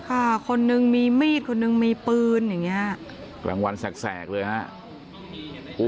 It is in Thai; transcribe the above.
ค่ะคนนึงมีมีดคนนึงมีปืนอย่างเงี้ยกลางวันแสกเลยฮะ